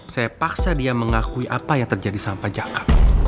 saya paksa dia mengakui apa yang terjadi sama pak jaka